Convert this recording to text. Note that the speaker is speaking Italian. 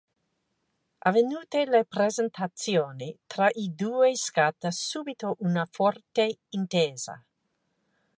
Avvenute le presentazioni, tra i due scatta subito una forte intesa.